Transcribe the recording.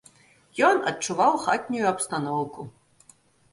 Ён адчуваў хатнюю абстаноўку.